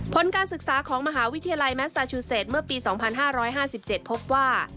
ผลการศึกษาของมหาวิทยาลัยแมสซาชูเศษเมื่อปี๒๕๕๗พบว่า